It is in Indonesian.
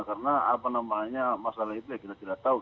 karena apa namanya masalah itu ya kita tidak tahu